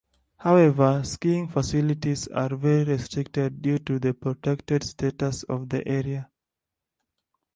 However, skiing facilities are very restricted due to the protected status of the area.